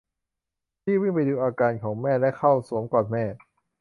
รีบวิ่งไปดูอาการของแม่และเข้าสวมกอดแม่